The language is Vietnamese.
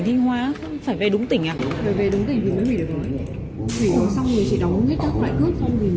xong thì chỉ đóng hết các loại cướp xong thì mới làm chủ tục chuyển mạng